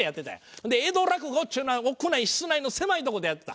ほんで江戸落語っちゅうのは屋内室内の狭いとこでやってた。